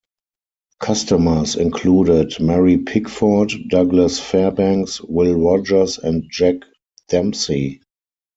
Customers included Mary Pickford, Douglas Fairbanks, Will Rogers and Jack Dempsey.